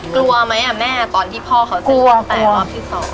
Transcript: กลัวไหมอ่ะแม่ตอนที่พ่อเขาเสร็จปี๘กว่าที่๒อ่ะ